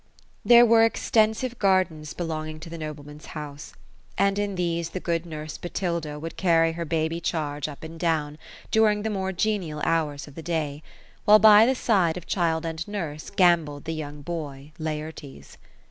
Tiiere were extensive gardens belonging to the bobleman's house ; and in these the good nurse Botilda would carry her baby charge up and down, during the more genial hours of the day ; while by the side of child and nurse, gambolled the young boy, Laertes.